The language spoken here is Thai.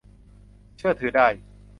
เชื่อถือได้